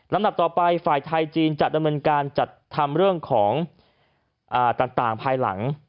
ดับต่อไปฝ่ายไทยจีนจะดำเนินการจัดทำเรื่องของต่างภายหลัง